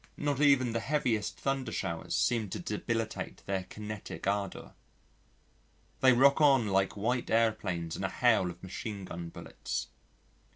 Not even the heaviest thunder showers seem to debilitate their kinetic ardour. They rock on like white aeroplanes in a hail of machine gun bullets.